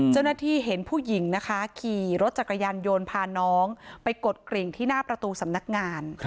เจ้าหน้าที่เห็นผู้หญิงนะคะขี่รถจักรยานยนต์พาน้องไปกดกริ่งที่หน้าประตูสำนักงาน